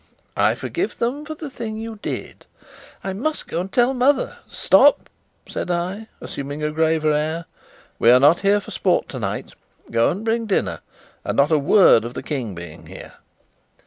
"I forgive them for the thing you did." "I must go and tell mother." "Stop," said I, assuming a graver air. "We are not here for sport tonight. Go and bring dinner, and not a word of the King being here."